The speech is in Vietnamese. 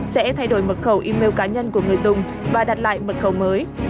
sẽ thay đổi mật khẩu email cá nhân của người dùng và đặt lại mật khẩu mới